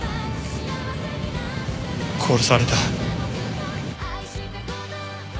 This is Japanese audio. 殺された。